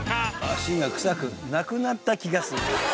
「足が臭くなくなった気がする！」。